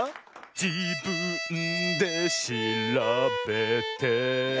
「じぶんでしらべて」